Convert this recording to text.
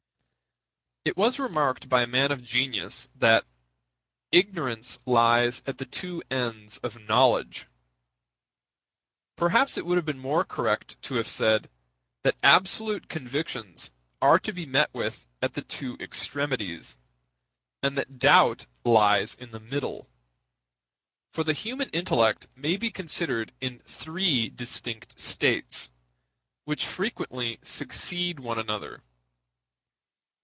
It was remarked by a man of genius that "ignorance lies at the two ends of knowledge." Perhaps it would have been more correct to have said, that absolute convictions are to be met with at the two extremities, and that doubt lies in the middle; for the human intellect may be considered in three distinct states, which frequently succeed one another.